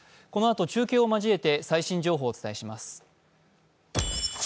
このあと、中継を交えて最新情報をお伝えします。